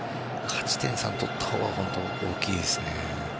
勝ち点３を取ったほうが大きいですね。